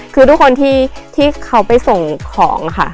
คือทุกคนที่เขาไปส่งของค่ะ